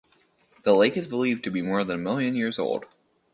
The lake is believed to be more than a million years old.